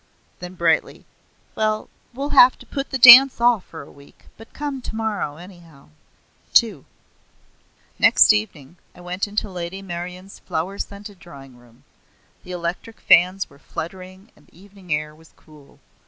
Then brightly; "Well, we'll have to put the dance off for a week, but come tomorrow anyhow." II Next evening I went into Lady Meryon's flower scented drawing room. The electric fans were fluttering and the evening air was cool.